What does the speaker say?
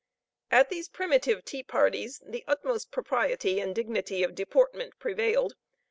At these primitive tea parties the utmost propriety and dignity of deportment prevailed.